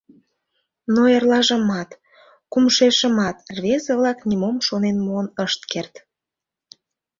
Но эрлажымат, кумшешымат рвезе-влак нимом шонен муын ышт керт.